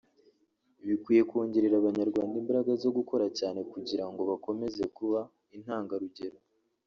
bikwiye kongerera Abanyarwanda imbaraga zo gukora cyane kugira ngo bakomeze kuba intangarugero